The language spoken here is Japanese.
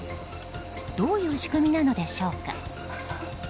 どういう仕組みなのでしょうか。